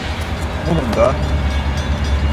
Mulun da!